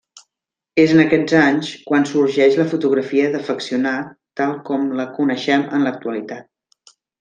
És en aquests anys quan sorgeix la fotografia d'afeccionat tal com la coneixem en l'actualitat.